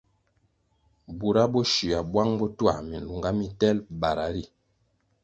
Bura bo shywia bwang bo twā milunga mitelʼ bara ri,